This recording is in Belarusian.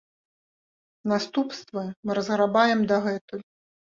Наступствы мы разграбаем дагэтуль.